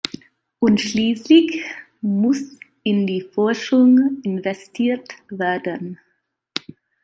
Und schließlich muss in die Forschung investiert werden.